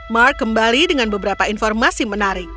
mark kembali dengan beberapa informasi menarik